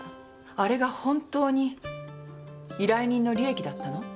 あれが本当に依頼人の利益だったの？